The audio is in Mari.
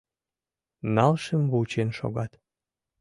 Налшым вучен шогат.